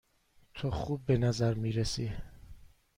تو خوب به نظر می رسی.